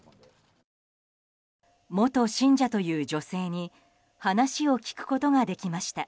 元信者という女性に話を聞くことができました。